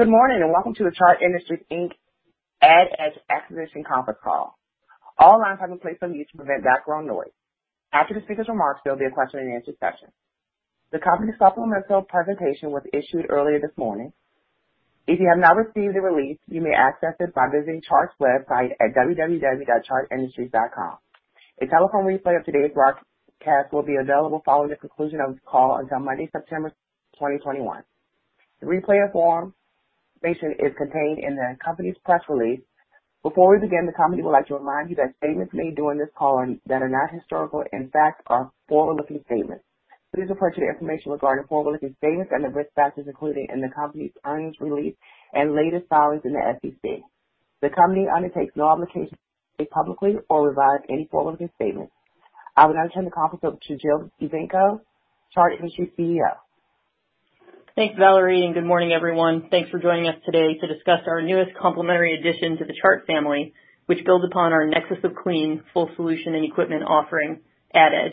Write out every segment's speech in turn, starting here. Good morning and welcome to the Chart Industries Inc. AdEdge Acquisition Earnings Conference Call. All lines have been placed on mute to prevent background noise. After the speaker's remarks, there will be a question-and-answer session. The company's supplemental presentation was issued earlier this morning. If you have not received the release, you may access it by visiting Chart's website at www.chartindustries.com. A telephone replay of today's broadcast will be available following the conclusion of the call until Monday, September 20, 2021. The replay information is contained in the company's press release. Before we begin, the company would like to remind you that statements made during this call that are not historical, in fact, are forward-looking statements. Please refer to the information regarding forward-looking statements and the risk factors included in the company's earnings release and latest filings in the SEC. The company undertakes no obligation to state publicly or revise any forward-looking statements. I will now turn the conference over to Jill Evanko, Chart Industries CEO. Thanks, Valerie, and good morning, everyone. Thanks for joining us today to discuss our newest complementary addition to the Chart family, which builds upon our Nexus of Clean full solution and equipment offering, AdEdge.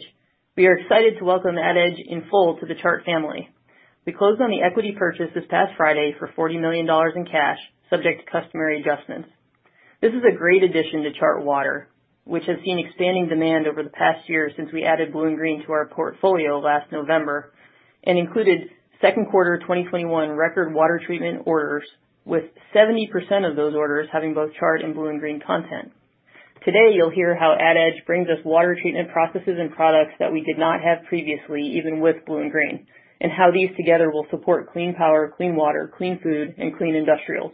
We are excited to welcome AdEdge in full to the Chart family. We closed on the equity purchase this past Friday for $40 million in cash, subject to customary adjustments. This is a great addition to ChartWater, which has seen expanding demand over the past year since we added BlueInGreen to our portfolio last November and included second quarter 2021 record water treatment orders, with 70% of those orders having both Chart and BlueInGreen content. Today, you'll hear how AdEdge brings us water treatment processes and products that we did not have previously, even with BlueInGreen, and how these together will support clean power, clean water, clean food, and clean industrials.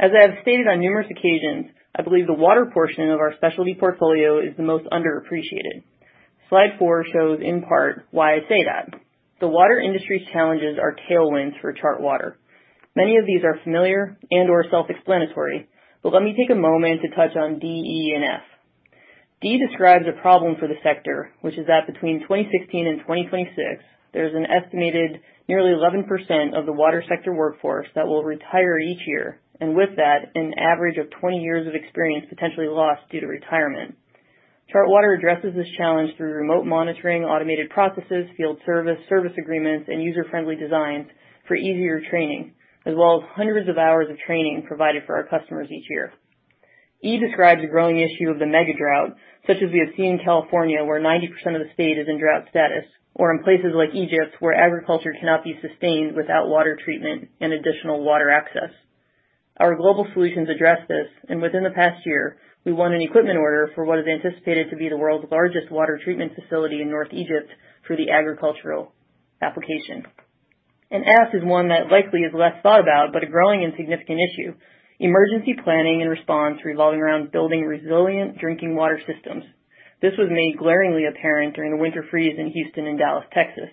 As I have stated on numerous occasions, I believe the water portion of our specialty portfolio is the most underappreciated. Slide four shows, in part, why I say that. The water industry's challenges are tailwinds for ChartWater. Many of these are familiar and/or self-explanatory, but let me take a moment to touch on D, E, and F. D describes a problem for the sector, which is that between 2016 and 2026, there's an estimated nearly 11% of the water sector workforce that will retire each year, and with that, an average of 20 years of experience potentially lost due to retirement. ChartWater addresses this challenge through remote monitoring, automated processes, field service, service agreements, and user-friendly designs for easier training, as well as hundreds of hours of training provided for our customers each year. E describes a growing issue of the mega drought, such as we have seen in California, where 90% of the state is in drought status, or in places like Egypt where agriculture cannot be sustained without water treatment and additional water access. Our global solutions address this, and within the past year, we won an equipment order for what is anticipated to be the world's largest water treatment facility in North Egypt for the agricultural application. And F is one that likely is less thought about, but a growing and significant issue: emergency planning and response revolving around building resilient drinking water systems. This was made glaringly apparent during the winter freeze in Houston and Dallas, Texas.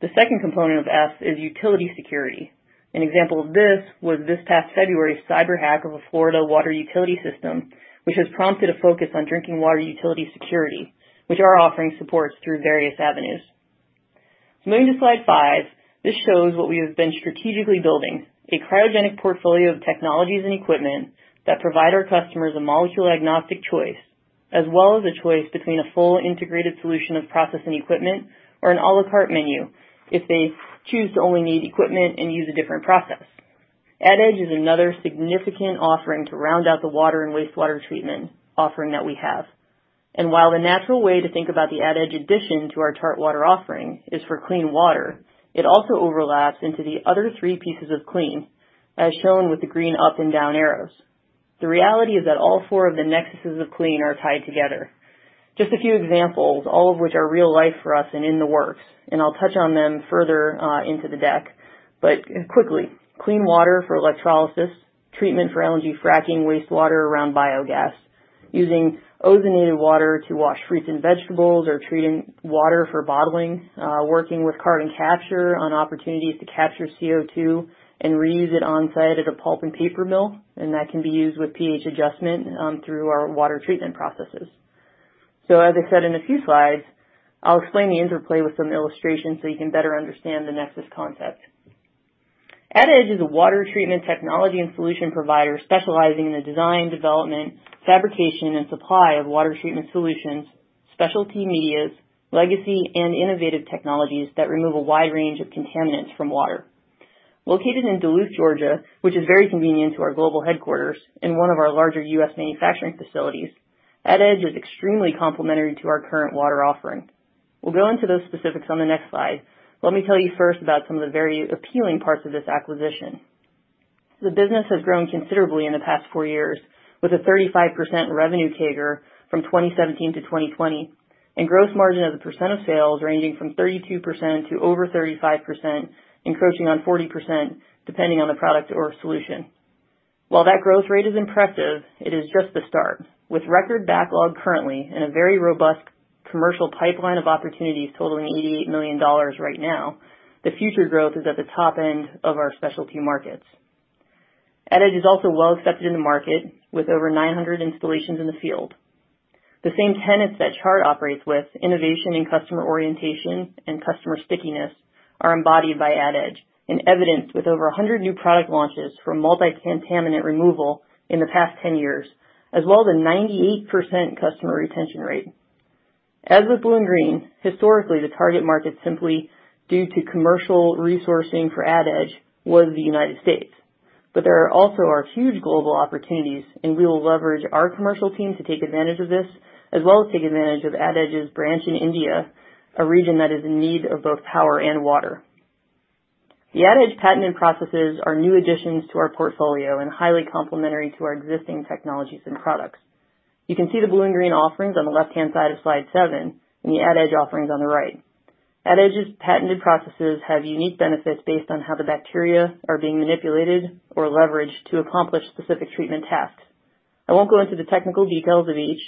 The second component of F is utility security. An example of this was this past February's cyber hack of a Florida water utility system, which has prompted a focus on drinking water utility security, which our offering supports through various avenues. Moving to slide five, this shows what we have been strategically building: a cryogenic portfolio of technologies and equipment that provide our customers a molecule-agnostic choice, as well as a choice between a full integrated solution of process and equipment or an à la carte menu if they choose to only need equipment and use a different process. AdEdge is another significant offering to round out the water and wastewater treatment offering that we have. While the natural way to think about the AdEdge addition to our ChartWater offering is for clean water, it also overlaps into the other three pieces of clean, as shown with the green up and down arrows. The reality is that all four of the Nexuses of Clean are tied together. Just a few examples, all of which are real life for us and in the works, and I'll touch on them further into the deck. Quickly, clean water for electrolysis, treatment for LNG fracking, wastewater around biogas, using ozonated water to wash fruits and vegetables, or treating water for bottling, working with carbon capture on opportunities to capture CO2 and reuse it on site at a pulp and paper mill, and that can be used with pH adjustment through our water treatment processes. As I said in a few slides, I'll explain the interplay with some illustrations so you can better understand the nexus concept. AdEdge is a water treatment technology and solution provider specializing in the design, development, fabrication, and supply of water treatment solutions, specialty medias, legacy, and innovative technologies that remove a wide range of contaminants from water. Located in Duluth, Georgia, which is very convenient to our global headquarters and one of our larger U.S. manufacturing facilities, AdEdge is extremely complementary to our current water offering. We'll go into those specifics on the next slide. Let me tell you first about some of the very appealing parts of this acquisition. The business has grown considerably in the past four years, with a 35% revenue CAGR from 2017 to 2020, and gross margin as a percent of sales ranging from 32% to over 35%, encroaching on 40% depending on the product or solution. While that growth rate is impressive, it is just the start. With record backlog currently and a very robust commercial pipeline of opportunities totaling $88 million right now, the future growth is at the top end of our specialty markets. AdEdge is also well accepted in the market, with over 900 installations in the field. The same tenets that Chart operates with, innovation and customer orientation and customer stickiness, are embodied by AdEdge, and evidenced with over 100 new product launches for multi-contaminant removal in the past 10 years, as well as a 98% customer retention rate. As with BlueInGreen, historically, the target market simply due to commercial resourcing for AdEdge was the United States. But there also are huge global opportunities, and we will leverage our commercial team to take advantage of this, as well as take advantage of AdEdge's branch in India, a region that is in need of both power and water. The AdEdge patented processes are new additions to our portfolio and highly complementary to our existing technologies and products. You can see the BlueInGreen offerings on the left-hand side of slide seven and the AdEdge offerings on the right. AdEdge's patented processes have unique benefits based on how the bacteria are being manipulated or leveraged to accomplish specific treatment tasks. I won't go into the technical details of each,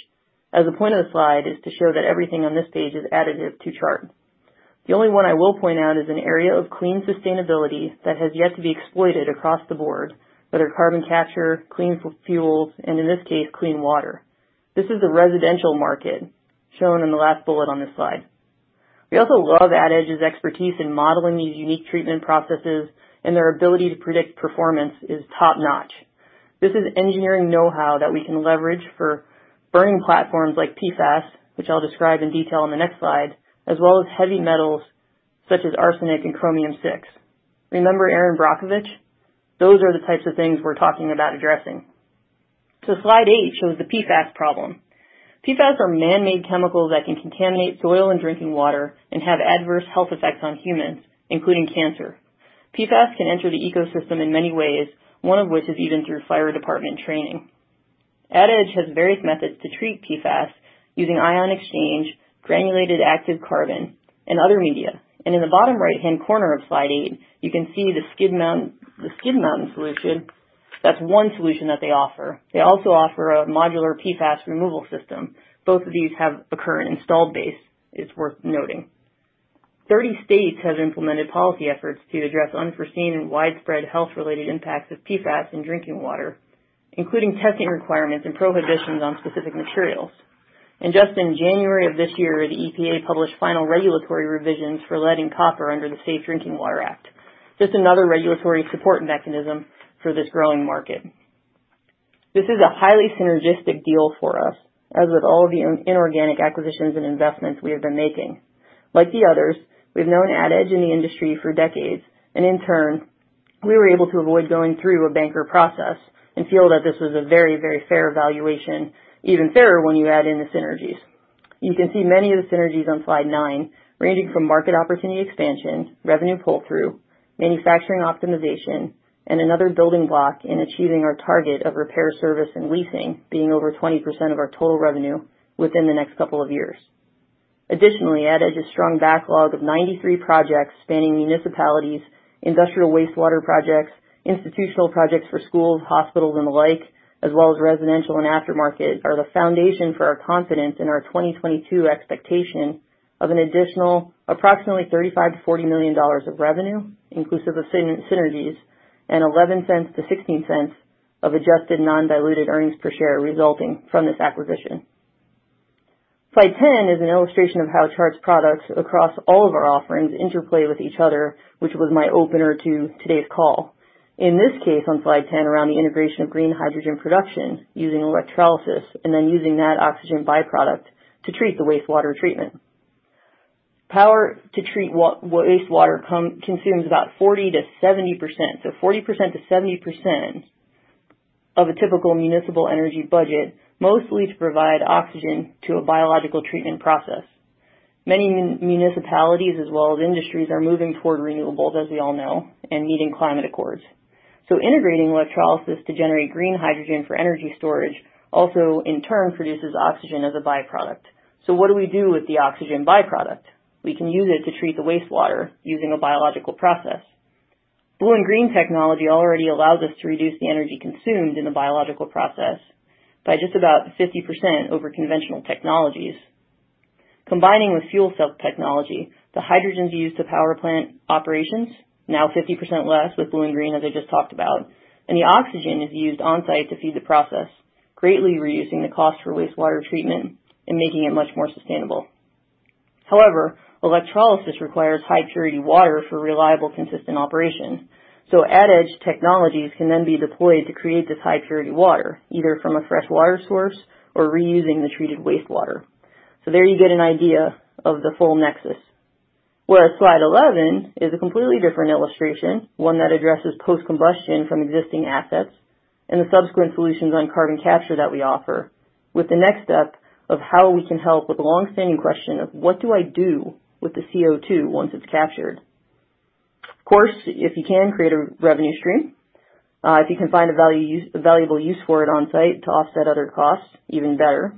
as the point of the slide is to show that everything on this page is additive to Chart. The only one I will point out is an area of clean sustainability that has yet to be exploited across the board, whether carbon capture, clean fuels, and in this case, clean water. This is the residential market, shown in the last bullet on this slide. We also love AdEdge's expertise in modeling these unique treatment processes, and their ability to predict performance is top-notch. This is engineering know-how that we can leverage for burning platforms like PFAS, which I'll describe in detail on the next slide, as well as heavy metals such as arsenic and chromium-6. Remember Erin Brockovich? Those are the types of things we're talking about addressing, so slide eight shows the PFAS problem. PFAS are man-made chemicals that can contaminate soil and drinking water and have adverse health effects on humans, including cancer. PFAS can enter the ecosystem in many ways, one of which is even through fire department training. AdEdge has various methods to treat PFAS using ion exchange, granular activated carbon, and other media, and in the bottom right-hand corner of slide eight, you can see the skid-mounted solution. That's one solution that they offer. They also offer a modular PFAS removal system. Both of these have a current installed base, it's worth noting. Thirty states have implemented policy efforts to address unforeseen and widespread health-related impacts of PFAS in drinking water, including testing requirements and prohibitions on specific materials, and just in January of this year, the EPA published final regulatory revisions for lead and copper under the Safe Drinking Water Act. Just another regulatory support mechanism for this growing market. This is a highly synergistic deal for us, as with all of the inorganic acquisitions and investments we have been making. Like the others, we've known AdEdge in the industry for decades, and in turn, we were able to avoid going through a banker process and feel that this was a very, very fair valuation, even fairer when you add in the synergies. You can see many of the synergies on slide nine, ranging from market opportunity expansion, revenue pull-through, manufacturing optimization, and another building block in achieving our target of repair service and leasing being over 20% of our total revenue within the next couple of years. Additionally, AdEdge's strong backlog of 93 projects spanning municipalities, industrial wastewater projects, institutional projects for schools, hospitals, and the like, as well as residential and aftermarket, are the foundation for our confidence in our 2022 expectation of an additional approximately $35 million-$40 million of revenue, inclusive of synergies, and $0.11-$0.16 of adjusted non-diluted earnings per share resulting from this acquisition. Slide 10 is an illustration of how Chart's products across all of our offerings interplay with each other, which was my opener to today's call. In this case, on slide 10, around the integration of green hydrogen production using electrolysis and then using that oxygen byproduct to treat the wastewater treatment. Power to treat wastewater consumes about 40%-70%, so 40%-70% of a typical municipal energy budget, mostly to provide oxygen to a biological treatment process. Many municipalities, as well as industries, are moving toward renewables, as we all know, and meeting climate accords. So integrating electrolysis to generate green hydrogen for energy storage also in turn produces oxygen as a byproduct. So what do we do with the oxygen byproduct? We can use it to treat the wastewater using a biological process. BlueInGreen technology already allows us to reduce the energy consumed in the biological process by just about 50% over conventional technologies. Combining with fuel cell technology, the hydrogen is used to power plant operations, now 50% less with BlueInGreen, as I just talked about, and the oxygen is used on site to feed the process, greatly reducing the cost for wastewater treatment and making it much more sustainable. However, electrolysis requires high-purity water for reliable, consistent operation. So AdEdge technologies can then be deployed to create this high-purity water, either from a freshwater source or reusing the treated wastewater. So there you get an idea of the full nexus. Whereas slide 11 is a completely different illustration, one that addresses post-combustion from existing assets and the subsequent solutions on carbon capture that we offer, with the next step of how we can help with the long-standing question of, "What do I do with the CO2 once it's captured?" Of course, if you can create a revenue stream, if you can find a valuable use for it on site to offset other costs, even better.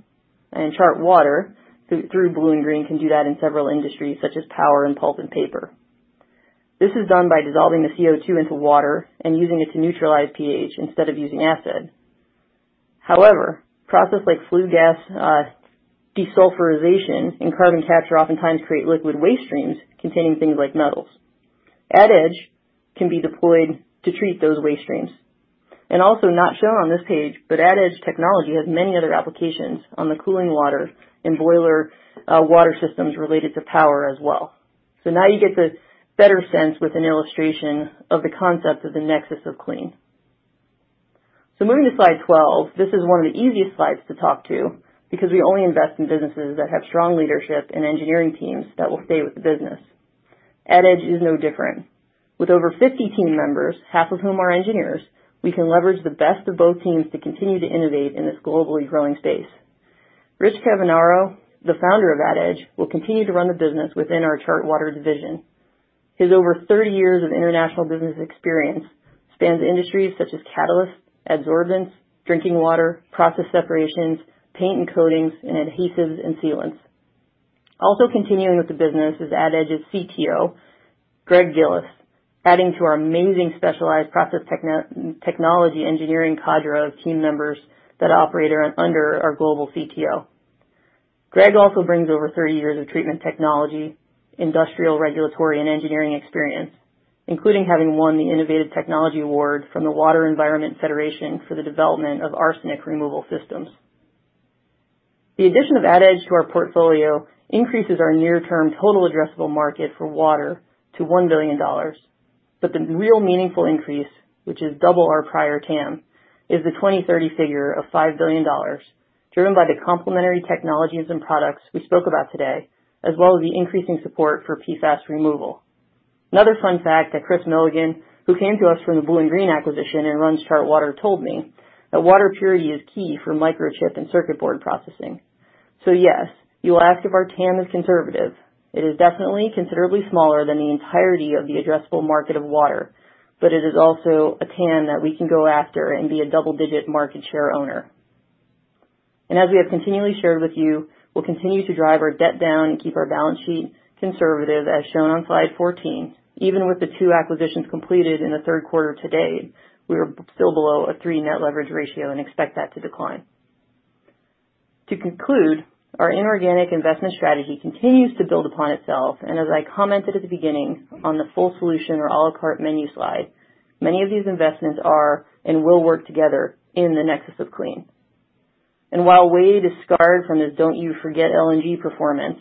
And ChartWater through BlueInGreen can do that in several industries, such as power and pulp and paper. This is done by dissolving the CO2 into water and using it to neutralize pH instead of using acid. However, processes like flue gas desulfurization and carbon capture oftentimes create liquid waste streams containing things like metals. AdEdge can be deployed to treat those waste streams, and also not shown on this page, but AdEdge technology has many other applications on the cooling water and boiler water systems related to power as well, so now you get the better sense with an illustration of the concept of the Nexus of Clean, so moving to slide 12, this is one of the easiest slides to talk to because we only invest in businesses that have strong leadership and engineering teams that will stay with the business. AdEdge is no different. With over 50 team members, half of whom are engineers, we can leverage the best of both teams to continue to innovate in this globally growing space. Rich Cavagnaro, the founder of AdEdge, will continue to run the business within our ChartWater division. His over 30 years of international business experience spans industries such as catalysts, adsorbents, drinking water, process separations, paint and coatings, and adhesives and sealants. Also continuing with the business is AdEdge's CTO, Greg Gilles, adding to our amazing specialized process technology engineering cadre of team members that operate under our global CTO. Greg also brings over 30 years of treatment technology, industrial regulatory, and engineering experience, including having won the Innovative Technology Award from the Water Environment Federation for the development of arsenic removal systems. The addition of AdEdge to our portfolio increases our near-term total addressable market for water to $1 billion. But the real meaningful increase, which is double our prior TAM, is the 2030 figure of $5 billion, driven by the complementary technologies and products we spoke about today, as well as the increasing support for PFAS removal. Another fun fact that Chris Milligan, who came to us from the BlueInGreen acquisition and runs ChartWater, told me, that water purity is key for microchip and circuit board processing. So yes, you will ask if our TAM is conservative. It is definitely considerably smaller than the entirety of the addressable market of water, but it is also a TAM that we can go after and be a double-digit market share owner. And as we have continually shared with you, we'll continue to drive our debt down and keep our balance sheet conservative, as shown on slide 14. Even with the two acquisitions completed in the third quarter today, we are still below a three-net leverage ratio and expect that to decline. To conclude, our inorganic investment strategy continues to build upon itself. And as I commented at the beginning on the full solution or à la carte menu slide, many of these investments are and will work together in the Nexus of Clean. And while Wade is scarred from his "Don't you forget LNG" performance,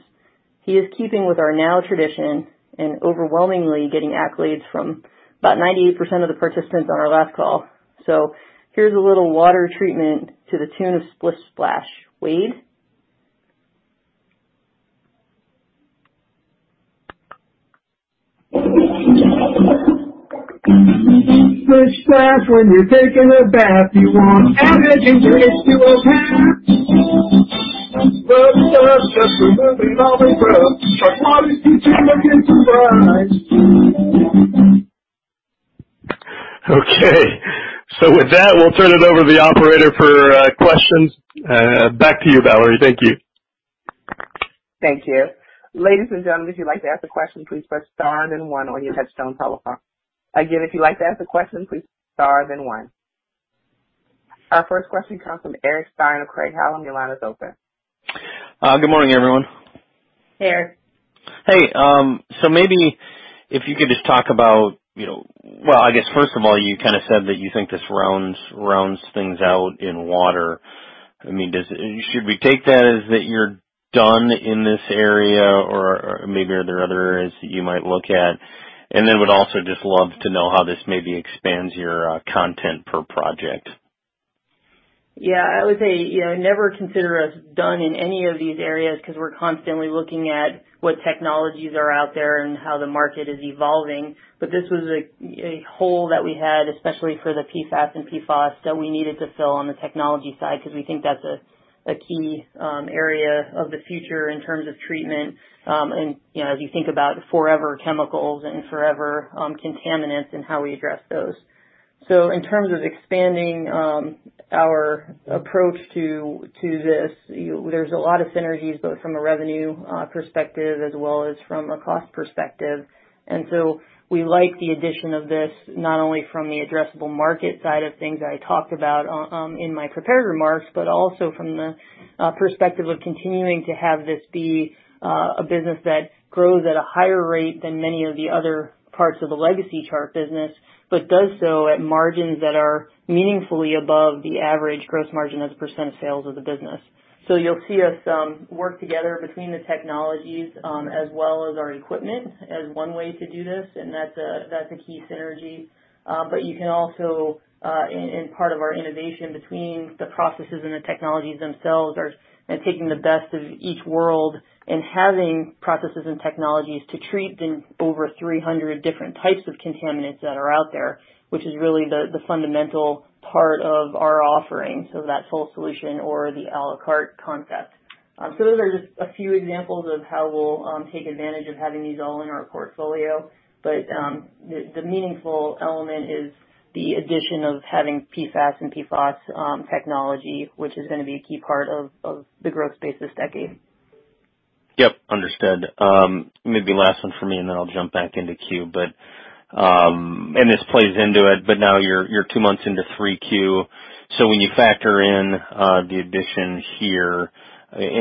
he is keeping with our now tradition and overwhelmingly getting accolades from about 98% of the participants on our last call. So here's a little water treatment to the tune of "Splish Splash." Wade. Splish Splash, when you're taking a bath, you want AdEdge into a path. Rub it up, just removing all the grub. ChartWater's teaching the kids to rise. Okay. So with that, we'll turn it over to the operator for questions. Back to you, Valerie. Thank you. Thank you. Ladies and gentlemen, if you'd like to ask a question, please press star and then one on your touch-tone telephone. Again, if you'd like to ask a question, please press star and then one. Our first question comes from Eric Stine of Craig-Hallum. Your line is open. Good morning, everyone. Hey, Eric. Hey. So maybe if you could just talk about, well, I guess first of all, you kind of said that you think this rounds things out in water. I mean, should we take that as that you're done in this area, or maybe are there other areas that you might look at? And then would also just love to know how this maybe expands your content per project. Yeah, I would say never consider us done in any of these areas because we're constantly looking at what technologies are out there and how the market is evolving. But this was a hole that we had, especially for the PFAS and PFOS that we needed to fill on the technology side because we think that's a key area of the future in terms of treatment and as you think about forever chemicals and forever contaminants and how we address those. So in terms of expanding our approach to this, there's a lot of synergies, both from a revenue perspective as well as from a cost perspective. And so we like the addition of this not only from the addressable market side of things that I talked about in my prepared remarks, but also from the perspective of continuing to have this be a business that grows at a higher rate than many of the other parts of the legacy Chart business, but does so at margins that are meaningfully above the average gross margin as a percent of sales of the business. So you'll see us work together between the technologies as well as our equipment as one way to do this, and that's a key synergy. But you can also, in part of our innovation between the processes and the technologies themselves, are taking the best of each world and having processes and technologies to treat the over 300 different types of contaminants that are out there, which is really the fundamental part of our offering, so that full solution or the à la carte concept. So those are just a few examples of how we'll take advantage of having these all in our portfolio. But the meaningful element is the addition of having PFAS and PFOS technology, which is going to be a key part of the growth space this decade. Yep. Understood. Maybe last one for me, and then I'll jump back into queue. And this plays into it, but now you're two months into 3Q. So when you factor in the addition here,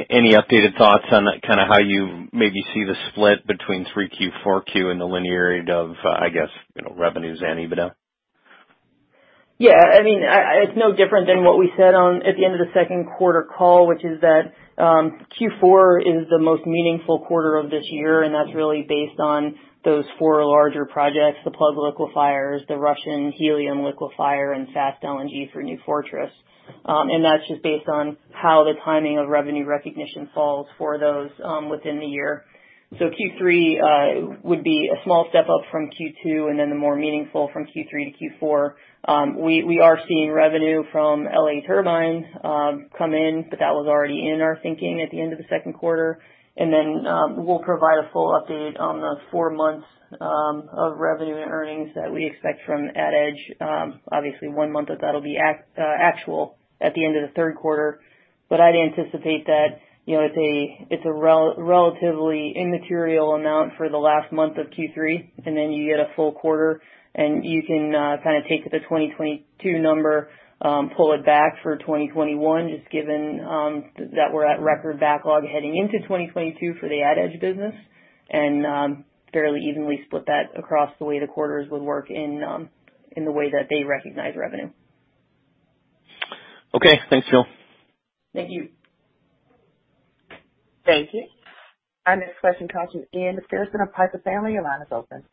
any updated thoughts on kind of how you maybe see the split between 3Q, 4Q, and the linearity of, I guess, revenues and EBITDA? Yeah. I mean, it's no different than what we said at the end of the second quarter call, which is that Q4 is the most meaningful quarter of this year, and that's really based on those four larger projects: the Plug liquefiers, the Russian helium liquefier, and Fast LNG for New Fortress. And that's just based on how the timing of revenue recognition falls for those within the year. So Q3 would be a small step up from Q2, and then the more meaningful from Q3 to Q4. We are seeing revenue from L.A. Turbine come in, but that was already in our thinking at the end of the second quarter. And then we'll provide a full update on the four months of revenue and earnings that we expect from AdEdge. Obviously, one month of that will be actual at the end of the third quarter. But I'd anticipate that it's a relatively immaterial amount for the last month of Q3, and then you get a full quarter, and you can kind of take the 2022 number, pull it back for 2021, just given that we're at record backlog heading into 2022 for the AdEdge business, and fairly evenly split that across the way the quarters would work in the way that they recognize revenue. Okay. Thanks, Jill. Thank you. Thank you. Our next question comes from Ian Macpherson of Piper Sandler. Your line is open.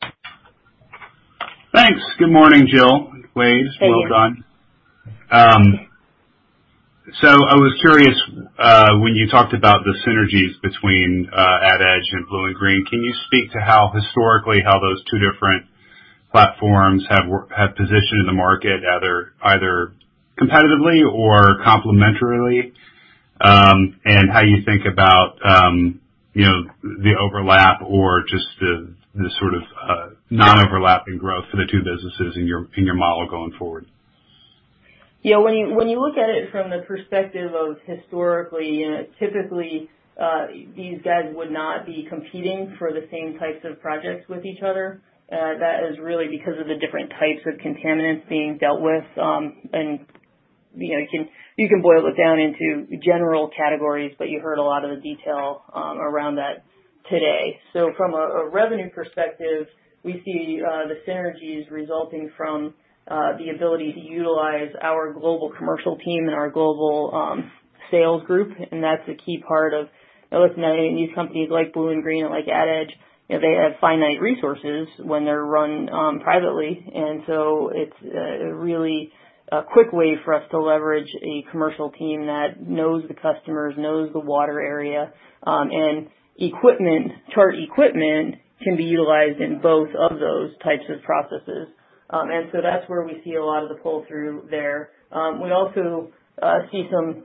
Thanks. Good morning, Jill. Wade. Well done. So I was curious, when you talked about the synergies between AdEdge and BlueInGreen, can you speak to how historically those two different platforms have positioned in the market, either competitively or complementarily, and how you think about the overlap or just the sort of non-overlapping growth for the two businesses in your model going forward? Yeah. When you look at it from the perspective of historically, typically, these guys would not be competing for the same types of projects with each other. That is really because of the different types of contaminants being dealt with. And you can boil it down into general categories, but you heard a lot of the detail around that today. So from a revenue perspective, we see the synergies resulting from the ability to utilize our global commercial team and our global sales group. That's a key part of, look, these companies like BlueInGreen and like AdEdge. They have finite resources when they're run privately. So it's a really quick way for us to leverage a commercial team that knows the customers, knows the water area. Chart Equipment can be utilized in both of those types of processes. That's where we see a lot of the pull-through there. We also see some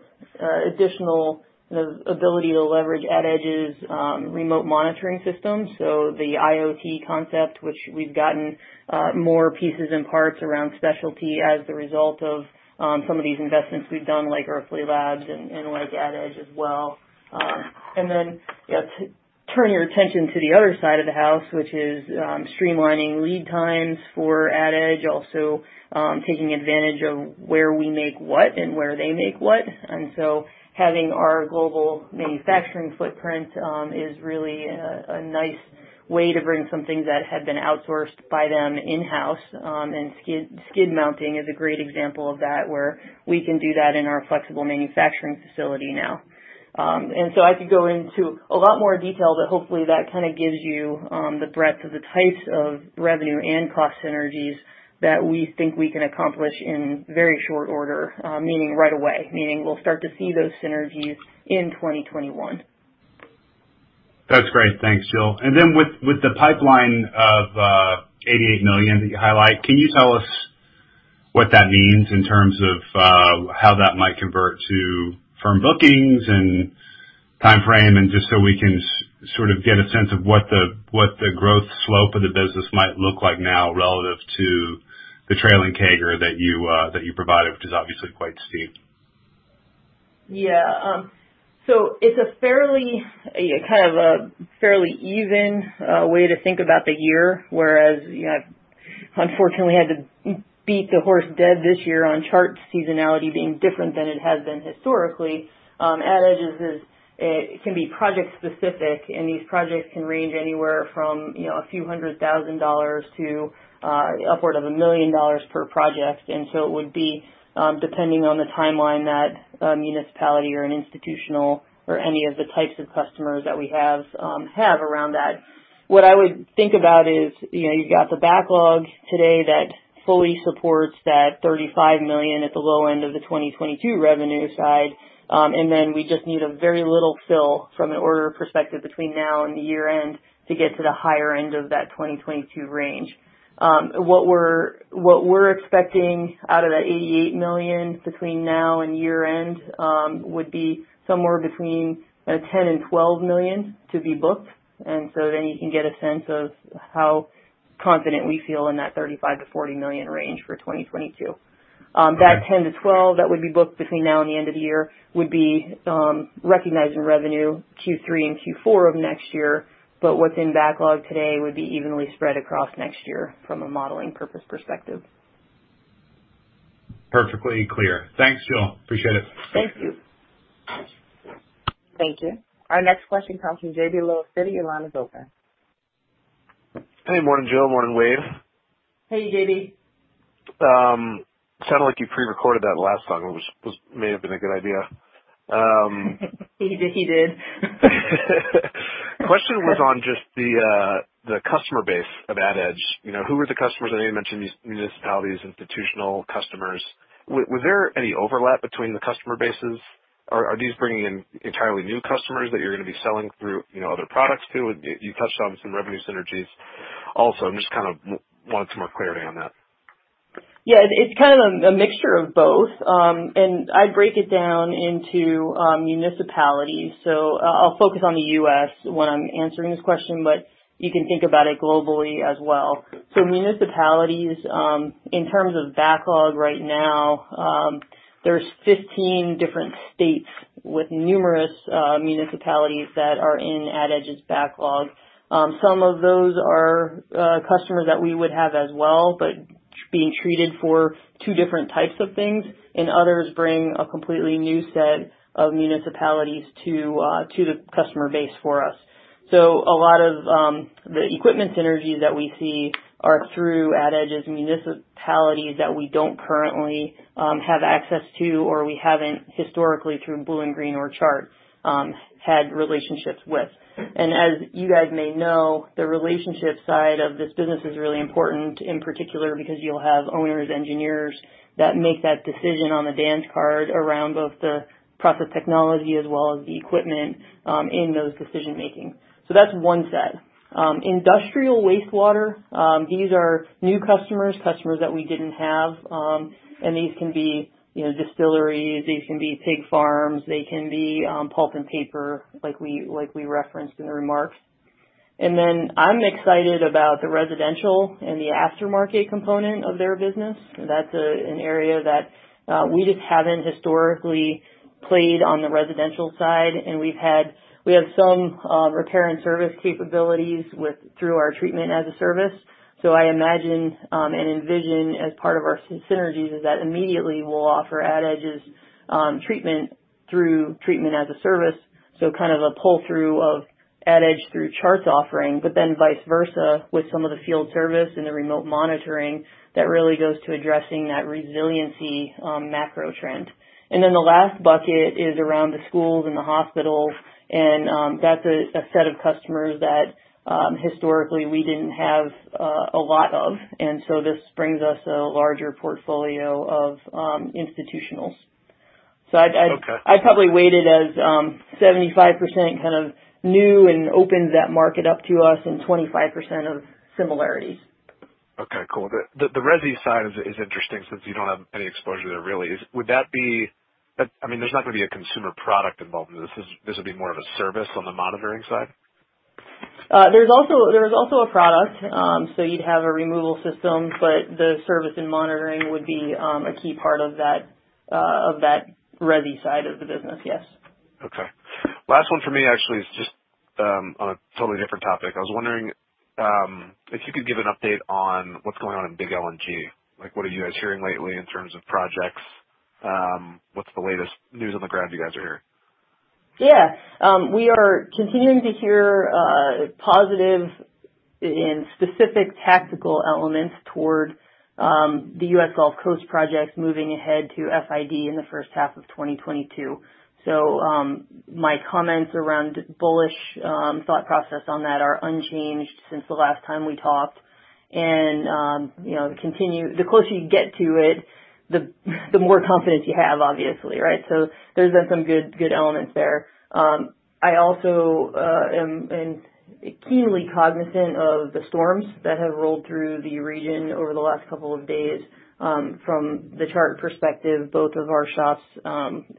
additional ability to leverage AdEdge's remote monitoring system. The IoT concept, which we've gotten more pieces and parts around specialty as the result of some of these investments we've done, like Earthly Labs and like AdEdge as well. Turn your attention to the other side of the house, which is streamlining lead times for AdEdge, also taking advantage of where we make what and where they make what. Having our global manufacturing footprint is really a nice way to bring some things that had been outsourced by them in-house. And skid mounting is a great example of that, where we can do that in our flexible manufacturing facility now. And so I could go into a lot more detail, but hopefully, that kind of gives you the breadth of the types of revenue and cost synergies that we think we can accomplish in very short order, meaning right away, meaning we'll start to see those synergies in 2021. That's great. Thanks, Jill. And then with the pipeline of $88 million that you highlight, can you tell us what that means in terms of how that might convert to firm bookings and timeframe? And just so we can sort of get a sense of what the growth slope of the business might look like now relative to the trailing CAGR that you provided, which is obviously quite steep. Yeah. So it's a fairly even way to think about the year, whereas I've unfortunately had to beat the horse dead this year on Chart seasonality being different than it has been historically. AdEdge can be project-specific, and these projects can range anywhere from a few hundred thousand dollars to upward of a million dollars per project. And so it would be depending on the timeline that a municipality or an institutional or any of the types of customers that we have have around that. What I would think about is you've got the backlog today that fully supports that $35 million at the low end of the 2022 revenue side. And then we just need a very little fill from an order perspective between now and year-end to get to the higher end of that 2022 range. What we're expecting out of that $88 million between now and year-end would be somewhere between $10 million and $12 million to be booked. And so then you can get a sense of how confident we feel in that $35 million to $40 million range for 2022. That $10-$12 that would be booked between now and the end of the year would be recognized in revenue Q3 and Q4 of next year. But what's in backlog today would be evenly spread across next year from a modeling purpose perspective. Perfectly clear. Thanks, Jill. Appreciate it. Thank you. Thank you. Our next question comes from JB Lowe, Citi. Your line is open. Hey. Morning, Jill. Morning, Wade. Hey, JB. Sounded like you pre-recorded that last song, which may have been a good idea. He did. He did. Question was on just the customer base of AdEdge. Who were the customers? I know you mentioned municipalities, institutional customers. Was there any overlap between the customer bases? Are these bringing in entirely new customers that you're going to be selling through other products to? You touched on some revenue synergies also. I just kind of wanted some more clarity on that. Yeah. It's kind of a mixture of both, and I'd break it down into municipalities. So I'll focus on the U.S. when I'm answering this question, but you can think about it globally as well. Municipalities, in terms of backlog right now, there are 15 different states with numerous municipalities that are in AdEdge's backlog. Some of those are customers that we would have as well, but being treated for two different types of things. And others bring a completely new set of municipalities to the customer base for us. A lot of the equipment synergies that we see are through AdEdge's municipalities that we do not currently have access to or we have not historically through BlueInGreen or Chart had relationships with. And as you guys may know, the relationship side of this business is really important in particular because you will have owners, engineers that make that decision on the dance card around both the process technology as well as the equipment in those decision-making. That is one set. Industrial wastewater, these are new customers, customers that we did not have. And these can be distilleries. These can be pig farms. They can be pulp and paper, like we referenced in the remarks. And then I'm excited about the residential and the aftermarket component of their business. That's an area that we just haven't historically played on the residential side. And we have some repair and service capabilities through our Treatment-as-a-Service. So I imagine and envision as part of our synergies is that immediately we'll offer AdEdge's treatment through Treatment-as-a-Service. So kind of a pull-through of AdEdge through Chart's offering, but then vice versa with some of the field service and the remote monitoring that really goes to addressing that resiliency macro trend. And then the last bucket is around the schools and the hospitals. And that's a set of customers that historically we didn't have a lot of. So this brings us a larger portfolio of institutionals. So I'd probably weight it as 75% kind of new and opened that market up to us and 25% of similarities. Okay. Cool. The resi side is interesting since you don't have any exposure there, really. Would that be? I mean, there's not going to be a consumer product involved in this. This would be more of a service on the monitoring side? There's also a product. So you'd have a removal system, but the service and monitoring would be a key part of that resi side of the business. Yes. Okay. Last one for me, actually, is just on a totally different topic. I was wondering if you could give an update on what's going on in big LNG. What are you guys hearing lately in terms of projects? What's the latest news on the ground you guys are hearing? Yeah. We are continuing to hear positive and specific tactical elements toward the U.S. Gulf Coast projects moving ahead to FID in the first half of 2022. So my comments around bullish thought process on that are unchanged since the last time we talked. And the closer you get to it, the more confidence you have, obviously, right? So there's been some good elements there. I also am keenly cognizant of the storms that have rolled through the region over the last couple of days. From the Chart perspective, both of our shops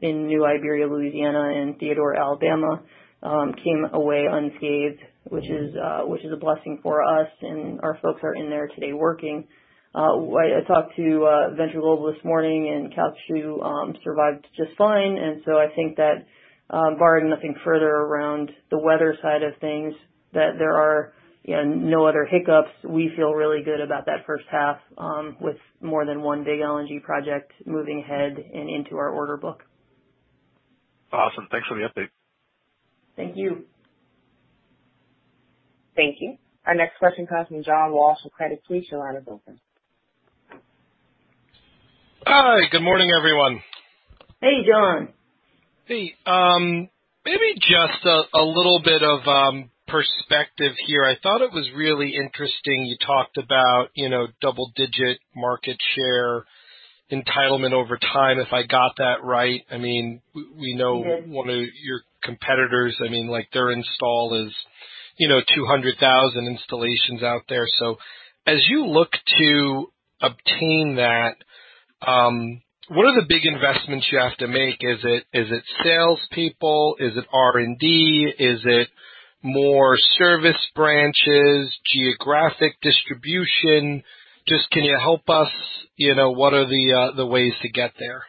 in New Iberia, Louisiana, and Theodore, Alabama came away unscathed, which is a blessing for us. And our folks are in there today working. I talked to Venture Global this morning, and Calcasieu Pass survived just fine. And so I think that, barring nothing further around the weather side of things, that there are no other hiccups. We feel really good about that first half with more than one big LNG project moving ahead and into our order book. Awesome. Thanks for the update. Thank you. Thank you. Our next question comes from John Walsh of Credit Suisse. Your line is open. Hi. Good morning, everyone. Hey, John. Hey. Maybe just a little bit of perspective here. I thought it was really interesting you talked about double-digit market share entitlement over time, if I got that right. I mean, we know one of your competitors, I mean, their install is 200,000 installations out there. So as you look to obtain that, what are the big investments you have to make? Is it salespeople? Is it R&D? Is it more service branches, geographic distribution? Just, can you help us? What are the ways to get there?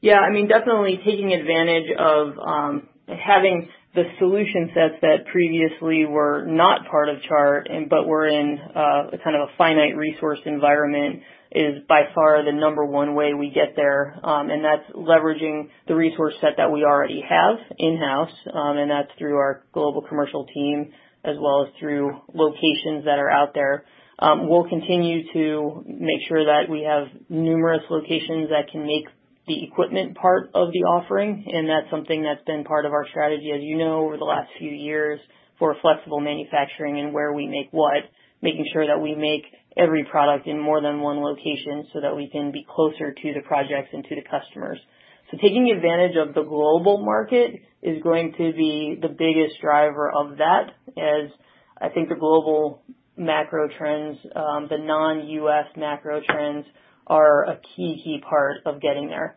Yeah. I mean, definitely taking advantage of having the solution sets that previously were not part of Chart but were in kind of a finite resource environment is by far the number one way we get there. And that's leveraging the resource set that we already have in-house. And that's through our global commercial team as well as through locations that are out there. We'll continue to make sure that we have numerous locations that can make the equipment part of the offering. And that's something that's been part of our strategy, as you know, over the last few years for flexible manufacturing and where we make what, making sure that we make every product in more than one location so that we can be closer to the projects and to the customers. Taking advantage of the global market is going to be the biggest driver of that, as I think the global macro trends, the non-US macro trends, are a key, key part of getting there.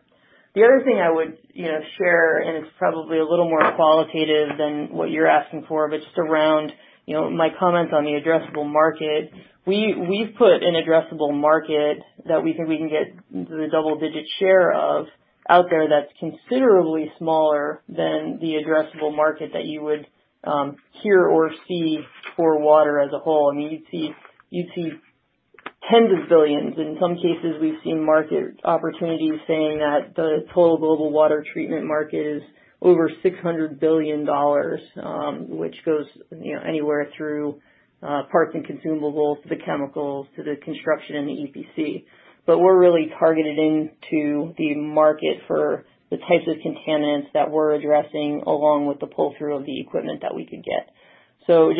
The other thing I would share, and it's probably a little more qualitative than what you're asking for, but just around my comments on the addressable market, we've put an addressable market that we think we can get the double-digit share of out there that's considerably smaller than the addressable market that you would hear or see for water as a whole. I mean, you'd see tens of billions. In some cases, we've seen market opportunities saying that the total global water treatment market is over $600 billion, which goes anywhere through parts and consumables to the chemicals to the construction and the EPC. But we're really targeted into the market for the types of contaminants that we're addressing along with the pull-through of the equipment that we could get. So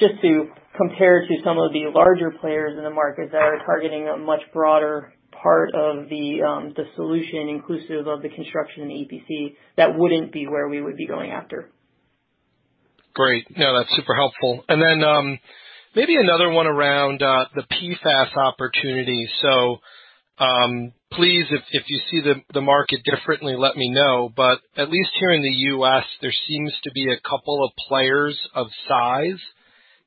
just to compare to some of the larger players in the market that are targeting a much broader part of the solution, inclusive of the construction and the EPC, that wouldn't be where we would be going after. Great. No, that's super helpful. And then maybe another one around the PFAS opportunity. So please, if you see the market differently, let me know. But at least here in the U.S., there seems to be a couple of players of size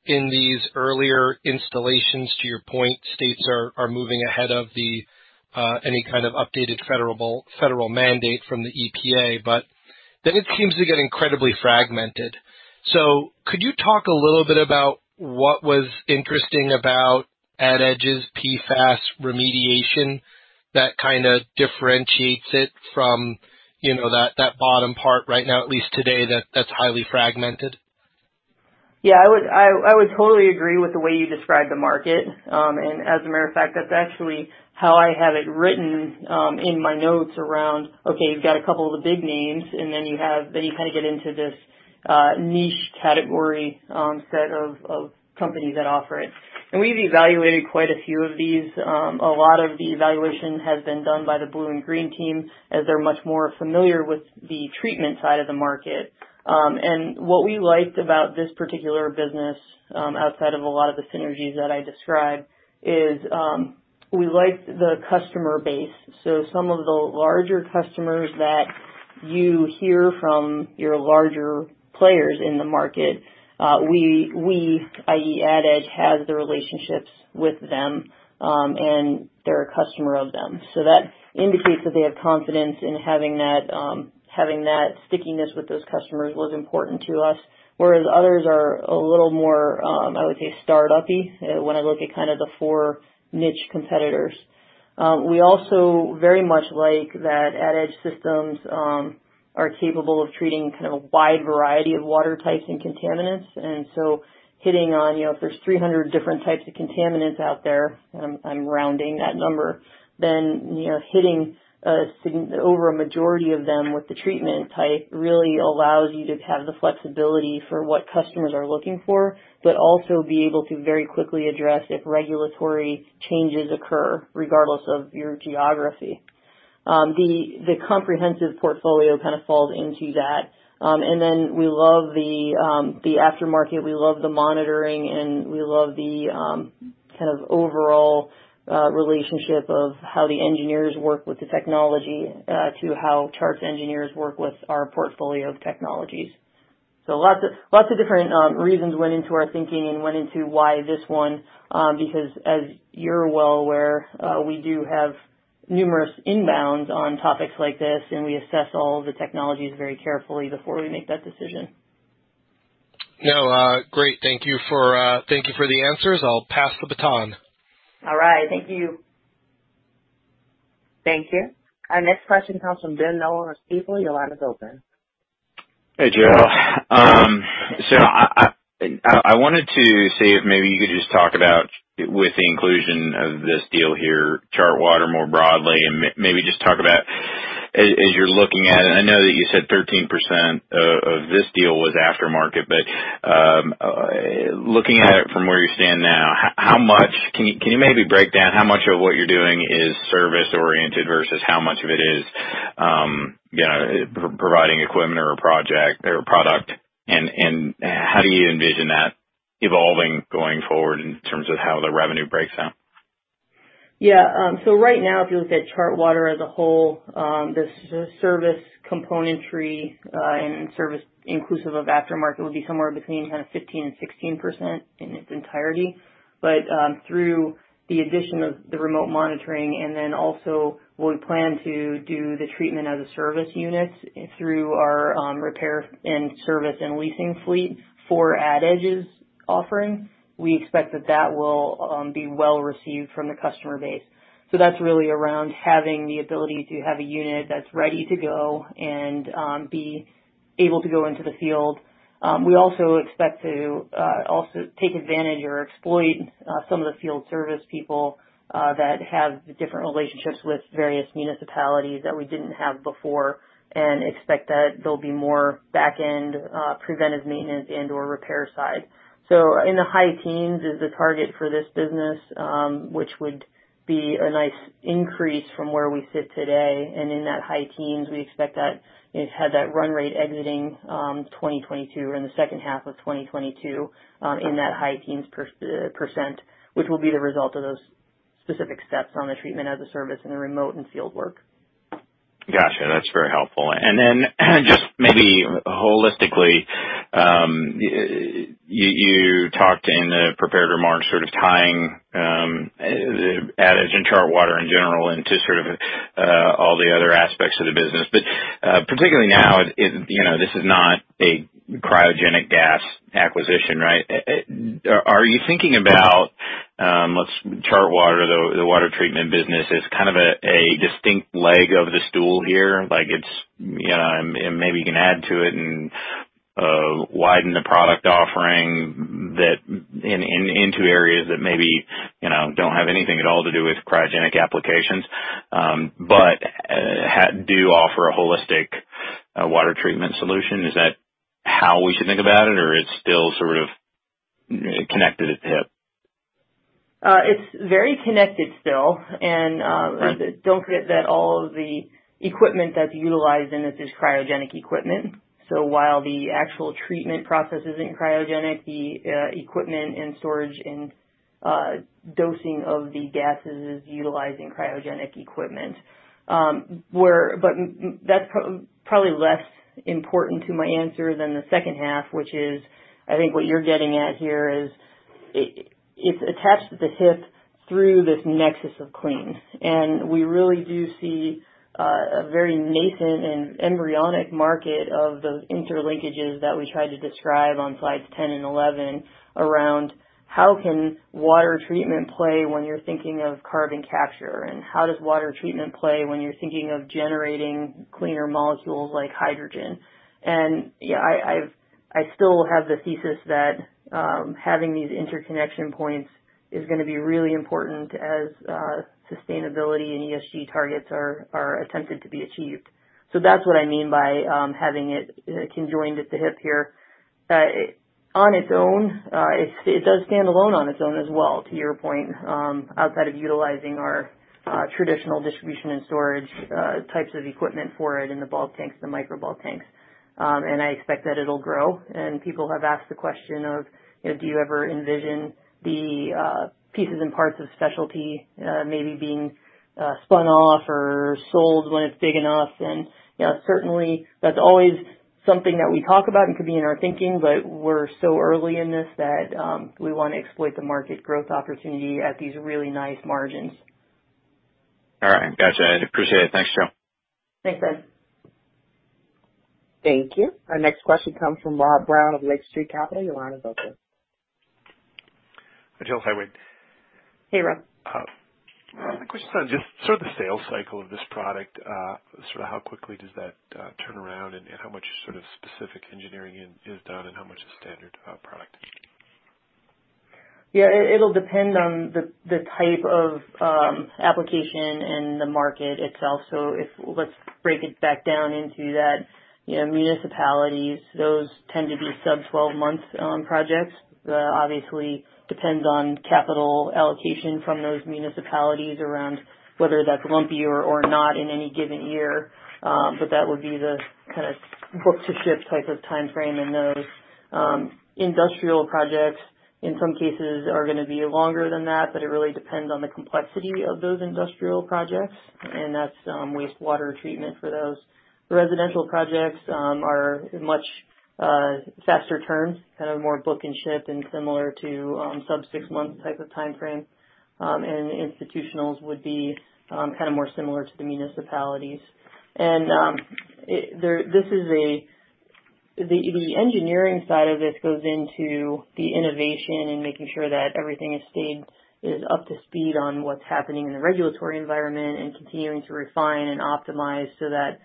in these earlier installations. To your point, states are moving ahead of any kind of updated federal mandate from the EPA. But then it seems to get incredibly fragmented. So could you talk a little bit about what was interesting about AdEdge's PFAS remediation that kind of differentiates it from that bottom part right now, at least today, that's highly fragmented? Yeah. I would totally agree with the way you described the market. And as a matter of fact, that's actually how I have it written in my notes around, okay, you've got a couple of the big names, and then you kind of get into this niche category set of companies that offer it. And we've evaluated quite a few of these. A lot of the evaluation has been done by the BlueInGreen team as they're much more familiar with the treatment side of the market. And what we liked about this particular business outside of a lot of the synergies that I described is we liked the customer base. So some of the larger customers that you hear from your larger players in the market, we, i.e., AdEdge, have the relationships with them, and they're a customer of them. So that indicates that they have confidence in having that stickiness with those customers was important to us. Whereas others are a little more, I would say, start-uppy when I look at kind of the four niche competitors. We also very much like that AdEdge systems are capable of treating kind of a wide variety of water types and contaminants. And so hitting on if there's 300 different types of contaminants out there, and I'm rounding that number, then hitting over a majority of them with the treatment type really allows you to have the flexibility for what customers are looking for, but also be able to very quickly address if regulatory changes occur regardless of your geography. The comprehensive portfolio kind of falls into that, and then we love the aftermarket. We love the monitoring, and we love the kind of overall relationship of how the engineers work with the technology to how Chart's engineers work with our portfolio of technologies. So lots of different reasons went into our thinking and went into why this one, because as you're well aware, we do have numerous inbounds on topics like this, and we assess all the technologies very carefully before we make that decision. No. Great. Thank you for the answers. I'll pass the baton. All right. Thank you. Thank you. Our next question comes from Ben Nolan with Stifel. Your line is open. Hey, Jill. So I wanted to see if maybe you could just talk about, with the inclusion of this deal here, ChartWater more broadly, and maybe just talk about as you're looking at it. I know that you said 13% of this deal was aftermarket, but looking at it from where you stand now, can you maybe break down how much of what you're doing is service-oriented versus how much of it is providing equipment or a product? And how do you envision that evolving going forward in terms of how the revenue breaks out? Yeah. So right now, if you look at ChartWater as a whole, the service componentry and service inclusive of aftermarket would be somewhere between kind of 15% and 16% in its entirety. But through the addition of the remote monitoring and then also we plan to do the treatment as a service unit through our repair and service and leasing fleet for AdEdge's offering, we expect that that will be well received from the customer base. So that's really around having the ability to have a unit that's ready to go and be able to go into the field. We also expect to take advantage or exploit some of the field service people that have different relationships with various municipalities that we didn't have before and expect that there'll be more back-end preventive maintenance and/or repair side. So in the high teens is the target for this business, which would be a nice increase from where we sit today. And in that high teens, we expect that we've had that run rate exiting 2022 or in the second half of 2022 in that high teens %, which will be the result of those specific steps on the treatment-as-a-service and the remote and field work. Gotcha. That's very helpful. And then just maybe holistically, you talked in a prepared remark sort of tying AdEdge and ChartWater in general into sort of all the other aspects of the business. But particularly now, this is not a cryogenic gas acquisition, right? Are you thinking about ChartWater, the water treatment business, as kind of a distinct leg of the stool here? Maybe you can add to it and widen the product offering into areas that maybe don't have anything at all to do with cryogenic applications but do offer a holistic water treatment solution. Is that how we should think about it, or it's still sort of connected at the hip? It's very connected still. And don't forget that all of the equipment that's utilized in this is cryogenic equipment. So while the actual treatment process isn't cryogenic, the equipment and storage and dosing of the gases is utilizing cryogenic equipment. But that's probably less important to my answer than the second half, which is I think what you're getting at here is it's attached to the hip through this Nexus of Clean. And we really do see a very nascent and embryonic market of those interlinkages that we tried to describe on slides 10 and 11 around how can water treatment play when you're thinking of carbon capture and how does water treatment play when you're thinking of generating cleaner molecules like hydrogen. Yeah, I still have the thesis that having these interconnection points is going to be really important as sustainability and ESG targets are attempted to be achieved. So that's what I mean by having it conjoined at the hip here. On its own, it does stand alone on its own as well, to your point, outside of utilizing our traditional distribution and storage types of equipment for it in the bulk tanks, the microbulk tanks. And I expect that it'll grow. And people have asked the question of, do you ever envision the pieces and parts of specialty maybe being spun off or sold when it's big enough? And certainly, that's always something that we talk about and could be in our thinking, but we're so early in this that we want to exploit the market growth opportunity at these really nice margins. All right. Gotcha. I appreciate it. Thanks, Jill. Thanks, Ben. Thank you. Our next question comes from Rob Brown of Lake Street Capital. Your line is open. Hi, Jill. Hi, Wade. Hey, Rob. My question's on just sort of the sales cycle of this product, sort of how quickly does that turn around and how much sort of specific engineering is done and how much is standard product? Yeah. It'll depend on the type of application and the market itself. So let's break it back down into that. Municipalities, those tend to be sub-12-month projects. Obviously, it depends on capital allocation from those municipalities around whether that's lumpy or not in any given year. But that would be the kind of book-to-ship type of time frame. And those industrial projects, in some cases, are going to be longer than that, but it really depends on the complexity of those industrial projects. That's wastewater treatment for those. Residential projects are much faster terms, kind of more book-and-ship and similar to sub-6-month type of time frame. Institutionals would be kind of more similar to the municipalities. The engineering side of this goes into the innovation and making sure that everything is up to speed on what's happening in the regulatory environment and continuing to refine and optimize so that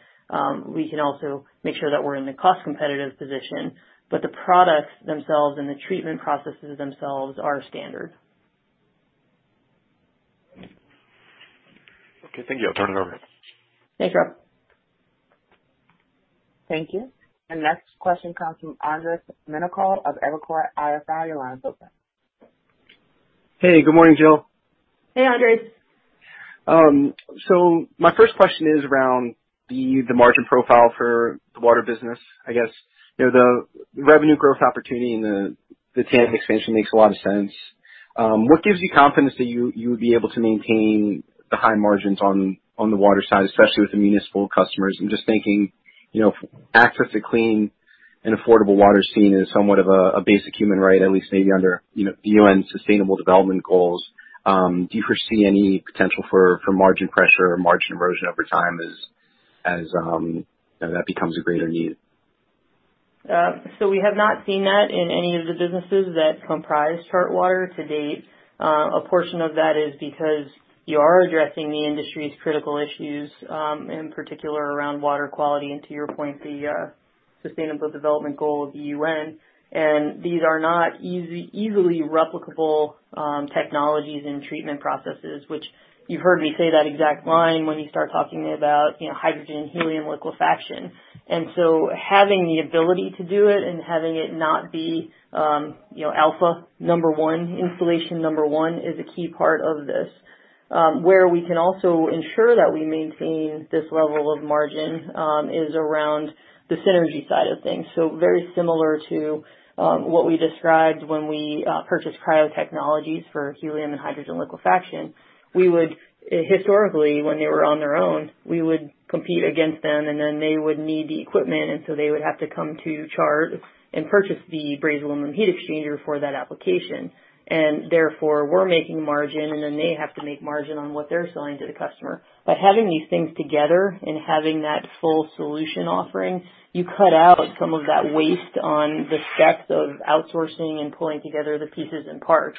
we can also make sure that we're in the cost-competitive position. But the products themselves and the treatment processes themselves are standard. Okay. Thank you. I'll turn it over. Thanks, Rob. Thank you. Our next question comes from Andres Menocal of Evercore ISI. Your line is open. Hey. Good morning, Jill. Hey, Andres. So my first question is around the margin profile for the water business. I guess the revenue growth opportunity and the TAM expansion makes a lot of sense. What gives you confidence that you would be able to maintain the high margins on the water side, especially with the municipal customers? I'm just thinking access to clean and affordable water seen as somewhat of a basic human right, at least maybe under the U.N. Sustainable Development Goals. Do you foresee any potential for margin pressure or margin erosion over time as that becomes a greater need? So we have not seen that in any of the businesses that comprise ChartWater to date. A portion of that is because you are addressing the industry's critical issues, in particular around water quality and, to your point, the Sustainable Development Goal of the U.N. And these are not easily replicable technologies and treatment processes, which you've heard me say that exact line when you start talking about hydrogen helium liquefaction. And so, having the ability to do it and having it not be alpha number one, installation number one is a key part of this. Where we can also ensure that we maintain this level of margin is around the synergy side of things. So very similar to what we described when we purchased Cryo Technologies for helium and hydrogen liquefaction. Historically, when they were on their own, we would compete against them, and then they would need the equipment. And so they would have to come to Chart and purchase the brazed aluminum heat exchanger for that application. And therefore, we're making margin, and then they have to make margin on what they're selling to the customer. By having these things together and having that full solution offering, you cut out some of that waste on the steps of outsourcing and pulling together the pieces and parts.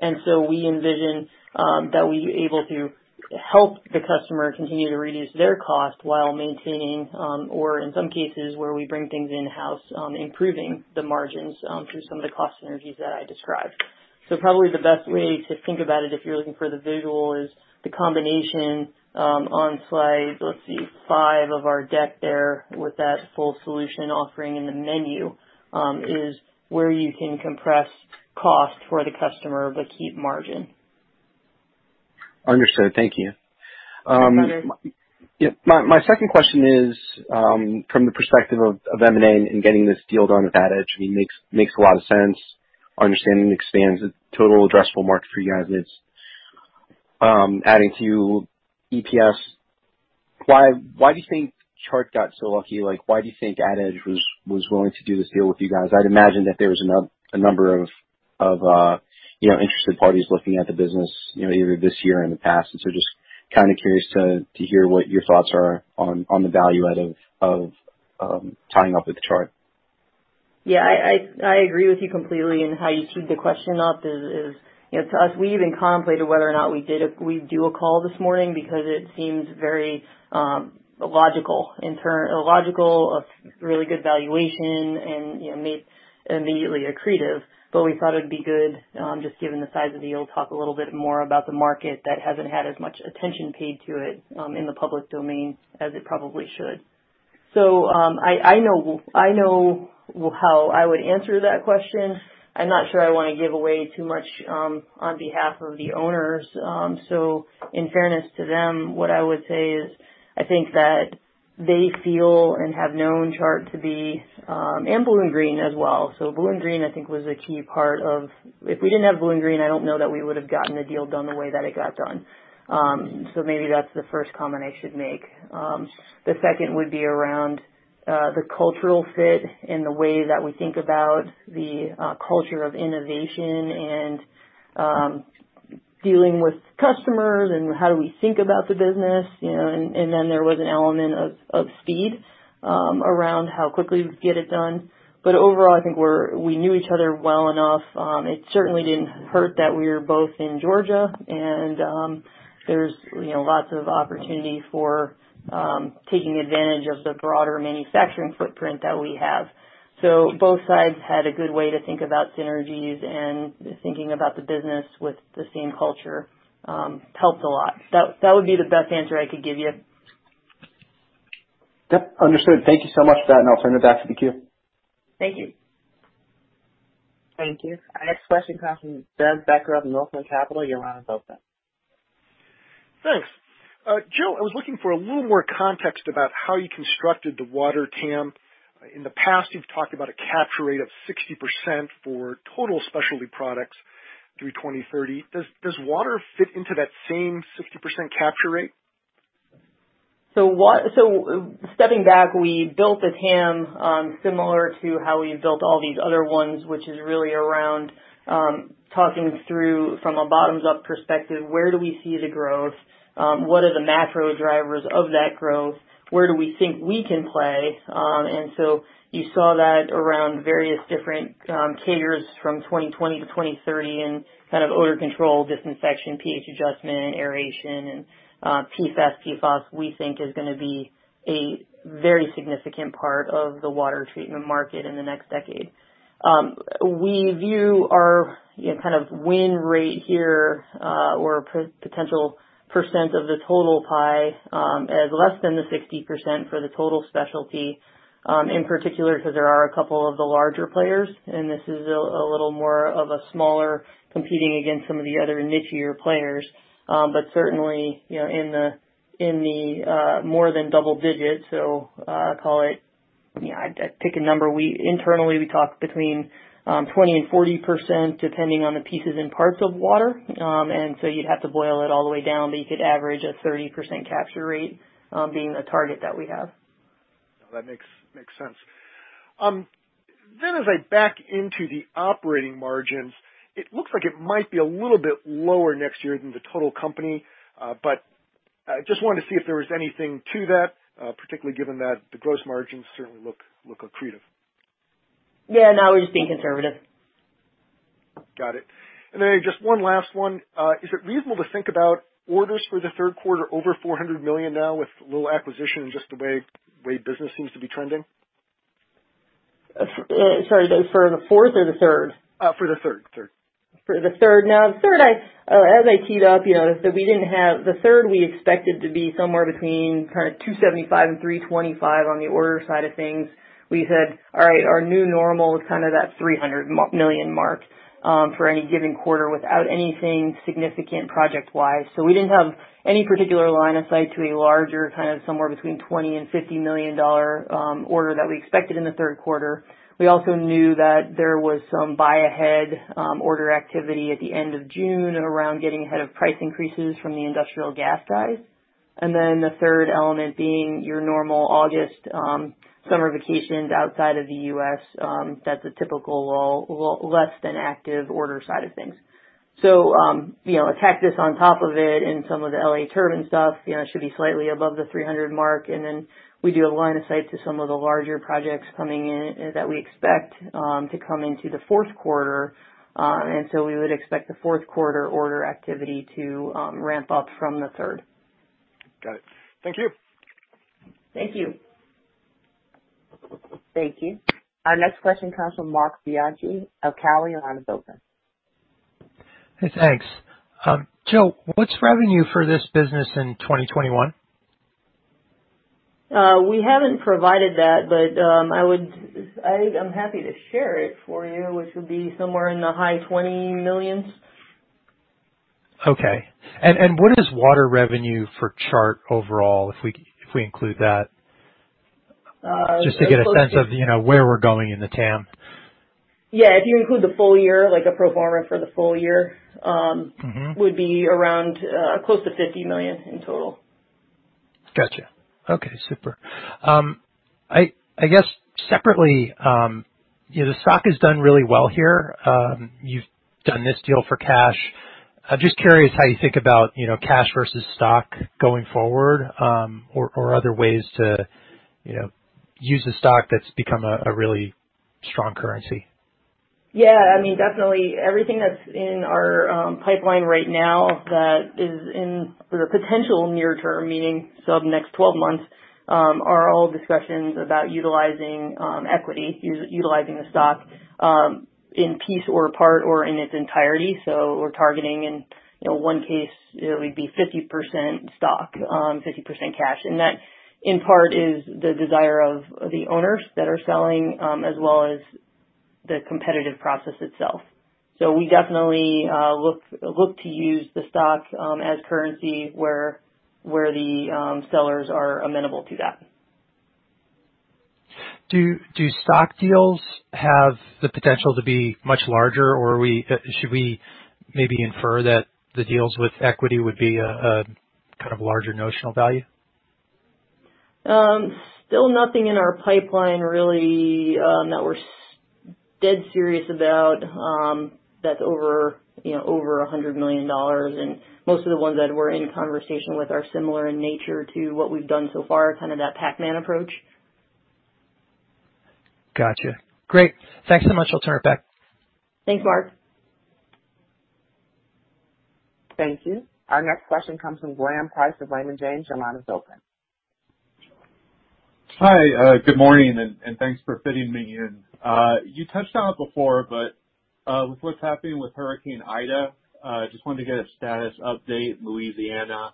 And so we envision that we are able to help the customer continue to reduce their cost while maintaining, or in some cases where we bring things in-house, improving the margins through some of the cost synergies that I described. So probably the best way to think about it if you're looking for the visual is the combination on slide, let's see, five of our deck there with that full solution offering in the menu is where you can compress cost for the customer but keep margin. Understood. Thank you. Thanks, Andres. My second question is from the perspective of M&A and getting this deal done with AdEdge. I mean, it makes a lot of sense. Our understanding expands the total addressable market for you guys, and it's adding to EPS. Why do you think Chart got so lucky? Why do you think AdEdge was willing to do this deal with you guys? I'd imagine that there was a number of interested parties looking at the business either this year or in the past. And so just kind of curious to hear what your thoughts are on the value-add of tying up with Chart. Yeah. I agree with you completely in how you teed the question up. To us, we even contemplated whether or not we do a call this morning because it seems very logical, a really good valuation, and made immediately accretive. But we thought it would be good, just given the size of the deal, to talk a little bit more about the market that hasn't had as much attention paid to it in the public domain as it probably should. So I know how I would answer that question. I'm not sure I want to give away too much on behalf of the owners. So in fairness to them, what I would say is I think that they feel and have known Chart to be and BlueInGreen as well. So BlueInGreen, I think, was a key part of, if we didn't have BlueInGreen, I don't know that we would have gotten the deal done the way that it got done. So maybe that's the first comment I should make. The second would be around the cultural fit and the way that we think about the culture of innovation and dealing with customers and how do we think about the business. And then there was an element of speed around how quickly we could get it done. But overall, I think we knew each other well enough. It certainly didn't hurt that we were both in Georgia, and there's lots of opportunity for taking advantage of the broader manufacturing footprint that we have. So both sides had a good way to think about synergies and thinking about the business with the same culture helped a lot. That would be the best answer I could give you. Yep. Understood. Thank you so much for that, and I'll turn it back to the queue. Thank you. Thank you. Our next question comes from Doug Becker of Northland Capital Markets. Your line is open. Thanks. Jill, I was looking for a little more context about how you constructed the water TAM. In the past, you've talked about a capture rate of 60% for total specialty products through 2030. Does water fit into that same 60% capture rate? So stepping back, we built the TAM similar to how we built all these other ones, which is really around talking through from a bottoms-up perspective, where do we see the growth? What are the macro drivers of that growth? Where do we think we can play? And so you saw that around various different categories from 2020 to 2030 in kind of odor control, disinfection, pH adjustment, aeration, and PFAS. PFAS, we think is going to be a very significant part of the water treatment market in the next decade. We view our kind of win rate here or potential % of the total pie as less than the 60% for the total specialty, in particular because there are a couple of the larger players. And this is a little more of a smaller competing against some of the other nichier players. But certainly, in the more than double-digit, so I call it. I pick a number. Internally, we talk between 20% and 40% depending on the pieces and parts of water. And so you'd have to boil it all the way down, but you could average a 30% capture rate being the target that we have. That makes sense. Then, as I back into the operating margins, it looks like it might be a little bit lower next year than the total company. But I just wanted to see if there was anything to that, particularly given that the gross margins certainly look accretive. Yeah. No, we're just being conservative. Got it. And then just one last one. Is it reasonable to think about orders for the third quarter over $400 million now with the acquisition and just the way business seems to be trending? Sorry, Doug, for the fourth or the third? For the third. For the third, now, as I teed up, we didn't have the third. We expected to be somewhere between kind of $275 million and $325 million on the order side of things. We said, "All right, our new normal is kind of that $300 million mark for any given quarter without anything significant project-wise." So we didn't have any particular line of sight to a larger kind of somewhere between $20 million and $50 million order that we expected in the third quarter. We also knew that there was some buy-ahead order activity at the end of June around getting ahead of price increases from the industrial gas guys. And then the third element being your normal August summer vacations outside of the US. That's a typical less-than-active order side of things. So tack this on top of it and some of the L.A. Turbine stuff should be slightly above the $300 million mark. And then we do have a line of sight to some of the larger projects coming in that we expect to come into the fourth quarter. And so we would expect the fourth quarter order activity to ramp up from the third. Got it. Thank you. Thank you. Thank you. Our next question comes from Marc Bianchi of Cowen. Your line is open. Hey, thanks. Jill, what's revenue for this business in 2021? We haven't provided that, but I'm happy to share it for you, which would be somewhere in the high $20 millions. Okay. And what is water revenue for Chart overall if we include that? Just to get a sense of where we're going in the TAM. Yeah. If you include the full year, like a pro forma for the full year, would be around close to $50 million in total. Gotcha. Okay. Super. I guess separately, the stock has done really well here. You've done this deal for cash. I'm just curious how you think about cash versus stock going forward or other ways to use the stock that's become a really strong currency. Yeah. I mean, definitely everything that's in our pipeline right now that is in the potential near term, meaning sub-next 12 months, are all discussions about utilizing equity, utilizing the stock in piece or part or in its entirety. So we're targeting in one case, it would be 50% stock, 50% cash. And that in part is the desire of the owners that are selling as well as the competitive process itself. So we definitely look to use the stock as currency where the sellers are amenable to that. Do stock deals have the potential to be much larger, or should we maybe infer that the deals with equity would be a kind of larger notional value? Still nothing in our pipeline really that we're dead serious about that's over $100 million. And most of the ones that we're in conversation with are similar in nature to what we've done so far, kind of that Pac-Man approach. Gotcha. Great. Thanks so much. I'll turn it back. Thanks, Marc. Thank you. Our next question comes from Graham Price of Raymond James. Your line is open. Hi. Good morning, and thanks for fitting me in. You touched on it before, but with what's happening with Hurricane Ida, I just wanted to get a status update, Louisiana,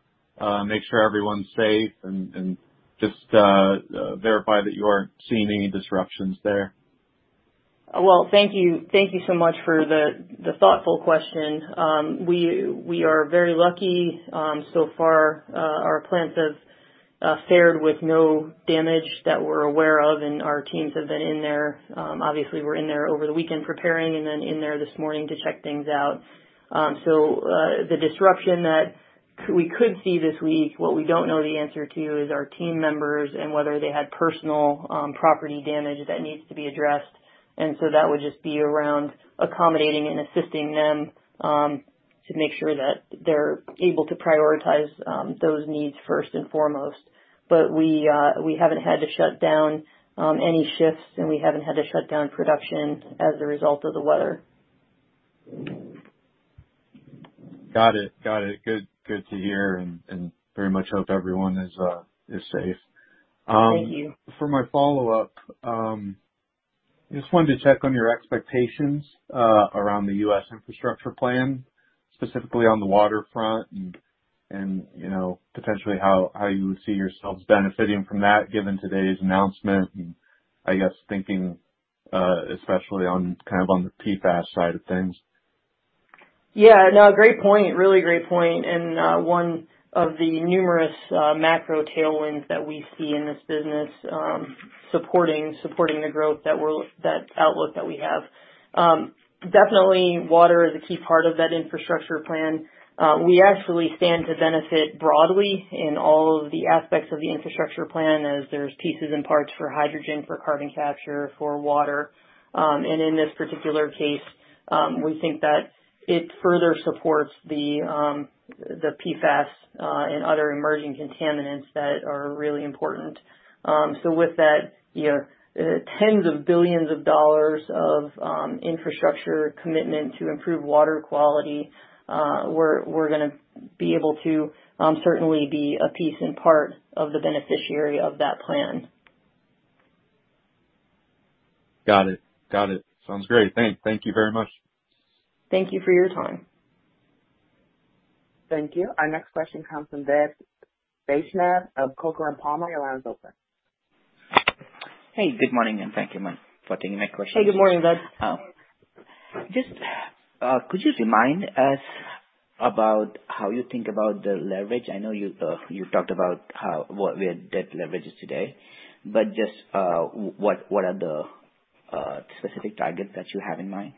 make sure everyone's safe, and just verify that you aren't seeing any disruptions there. Well, thank you so much for the thoughtful question. We are very lucky so far. Our plants have fared with no damage that we're aware of, and our teams have been in there. Obviously, we're in there over the weekend preparing and then in there this morning to check things out. So the disruption that we could see this week, what we don't know the answer to is our team members and whether they had personal property damage that needs to be addressed. And so that would just be around accommodating and assisting them to make sure that they're able to prioritize those needs first and foremost. But we haven't had to shut down any shifts, and we haven't had to shut down production as a result of the weather. Got it. Got it. Good to hear and very much hope everyone is safe. Thank you. For my follow-up, I just wanted to check on your expectations around the U.S. infrastructure plan, specifically on the water front, and potentially how you would see yourselves benefiting from that given today's announcement, and I guess thinking especially kind of on the PFAS side of things. Yeah. No, great point. Really great point. And one of the numerous macro tailwinds that we see in this business supporting the growth, that outlook that we have. Definitely, water is a key part of that infrastructure plan. We actually stand to benefit broadly in all of the aspects of the infrastructure plan as there's pieces and parts for hydrogen, for carbon capture, for water. And in this particular case, we think that it further supports the PFAS and other emerging contaminants that are really important. So with that, tens of billions of dollars of infrastructure commitment to improve water quality, we're going to be able to certainly be a piece and part of the beneficiary of that plan. Got it. Got it. Sounds great. Thank you very much. Thank you for your time. Thank you. Our next question comes from of Coker & Palmer. Your line is open. Hey, good morning, and thank you, ma'am, for taking my question. Hey, good morning. Just could you remind us about how you think about the leverage? I know you talked about what we had debt leverages today, but just what are the specific targets that you have in mind?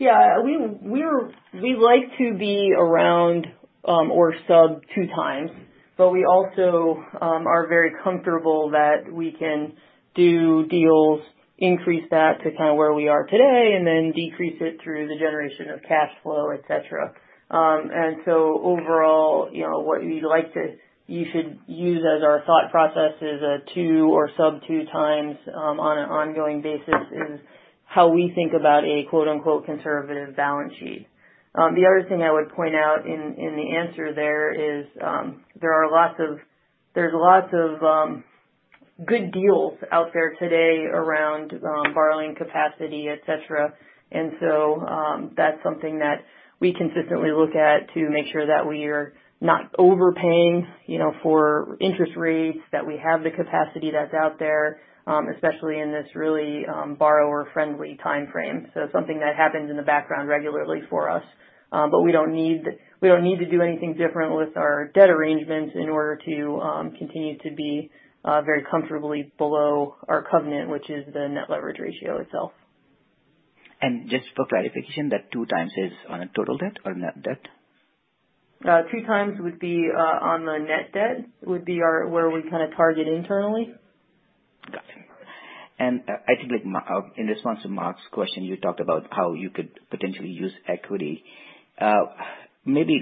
Yeah. We like to be around or sub two times, but we also are very comfortable that we can do deals, increase that to kind of where we are today, and then decrease it through the generation of cash flow, etc. And so overall, what we'd like to use as our thought process is a two or sub two times on an ongoing basis is how we think about a "conservative balance sheet." The other thing I would point out in the answer there is there's lots of good deals out there today around borrowing capacity, etc. And so that's something that we consistently look at to make sure that we are not overpaying for interest rates, that we have the capacity that's out there, especially in this really borrower-friendly timeframe. So something that happens in the background regularly for us. But we don't need to do anything different with our debt arrangements in order to continue to be very comfortably below our covenant, which is the net leverage ratio itself. And just for clarification, that two times is on a total debt or net debt? Two times would be on the net debt would be where we kind of target internally. Got it. And I think in response to Mark's question, you talked about how you could potentially use equity. Maybe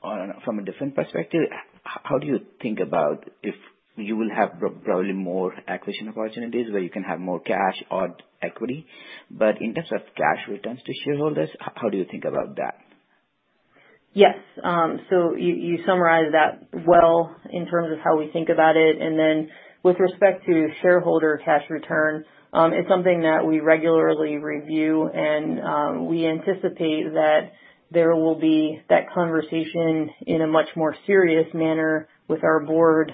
from a different perspective, how do you think about if you will have probably more acquisition opportunities where you can have more cash or equity? But in terms of cash returns to shareholders, how do you think about that? Yes. So you summarized that well in terms of how we think about it. And then with respect to shareholder cash return, it's something that we regularly review, and we anticipate that there will be that conversation in a much more serious manner with our board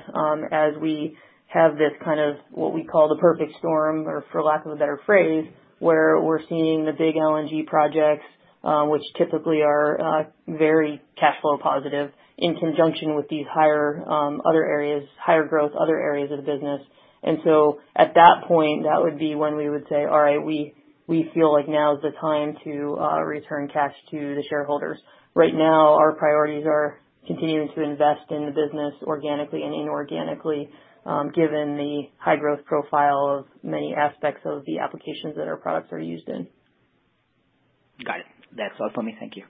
as we have this kind of what we call the perfect storm, or for lack of a better phrase, where we're seeing the big LNG projects, which typically are very cash flow positive in conjunction with these higher other areas, higher growth, other areas of the business. And so at that point, that would be when we would say, "All right, we feel like now is the time to return cash to the shareholders." Right now, our priorities are continuing to invest in the business organically and inorganically given the high growth profile of many aspects of the applications that our products are used in. Got it. That's all for me. Thank you.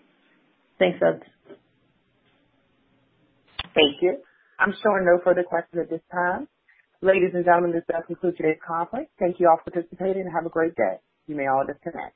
Thanks. Thank you. I'm showing no further questions at this time. Ladies and gentlemen, this does conclude today's conference. Thank you all for participating and have a great day. You may all disconnect.